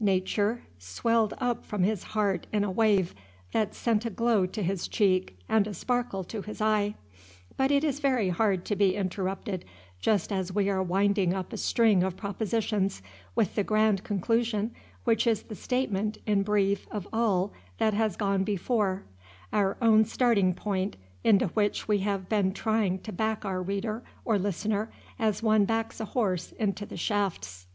Nature swelled up from his heart in a wave that sent a glow to his cheek and a sparkle to his eye. But it is very hard to be interrupted just as we are winding up a string of propositions with the grand conclusion which is the statement in brief of all that has gone before: our own starting point, into which we have been trying to back our reader or listener as one backs a horse into the shafts.